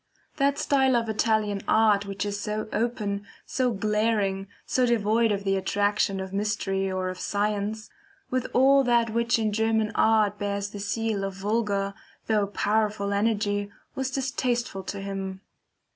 That style of Italian art which is so open, so glaring, so devoid of the attraction of mystery or of science, with all that which in German art bears the seal of vulgar, though powerful energy, was distasteful to him.